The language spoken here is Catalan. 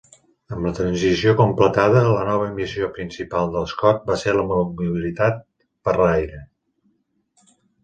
Amb la transició completada, la nova missió principal de Scott va ser la mobilitat per aire.